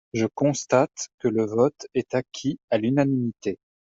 Je constate que le vote est acquis à l’unanimité.